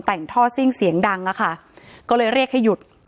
แต่งท่อซิ่งเสียงดังอะค่ะก็เลยเรียกให้หยุด